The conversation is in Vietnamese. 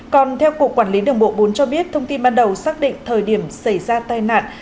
còn theo cục quản lý đường bộ bốn cho biết thông tin ban đầu xác định thời điểm xảy ra tai nạn